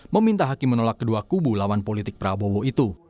meminta hakim menolak kedua kubu lawan politik prabowo itu